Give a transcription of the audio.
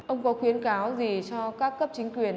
ông có khuyến cáo gì cho các cấp chính quyền